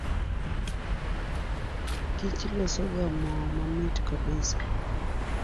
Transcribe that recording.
Kich losoga moo mamit kabisa.